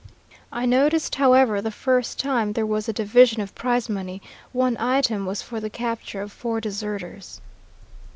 I noticed, however, the first time there was a division of prize money, one item was for the capture of four deserters."